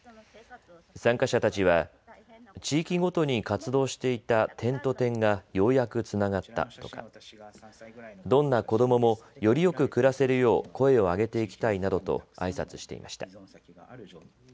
参加者たちは地域ごとに活動していた点と点がようやくつながったとかどんな子どもも、よりよく暮らせるよう声を上げていきたいなどとあいさつしていました。